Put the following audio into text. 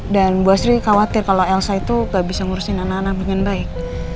dan bu astri khawatir kalau elsa itu gak bisa ngurusin anak anak dengan baik